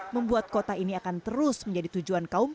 membuat kota ini akan terus menjadi tujuan